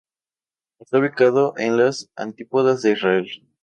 Está ubicado en las antípodas de Israel.